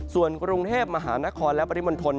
ส่วนกรุงเทพมหานครและปริมณฑล